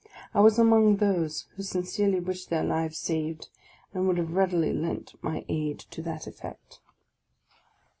I was among those who sin cerely wished their lives saved, and would have readily lent my aid to that effect.